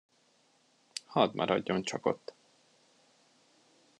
Hadd maradjon csak ott.